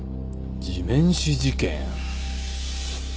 地面師事件。